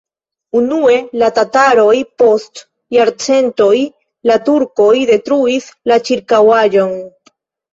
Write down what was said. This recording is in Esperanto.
Unue la tataroj, post jarcentoj la turkoj detruis la ĉirkaŭaĵon.